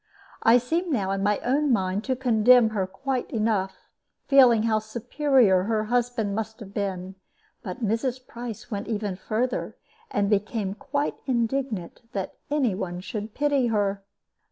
I seemed now in my own mind to condemn her quite enough, feeling how superior her husband must have been; but Mrs. Price went even further, and became quite indignant that any one should pity her.